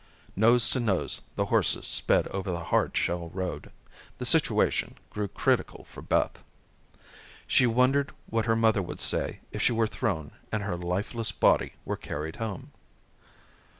Nose to nose the horses sped over the hard shell road. The situation grew critical for Beth. She wondered what her mother would say if she were thrown and her lifeless body were carried home.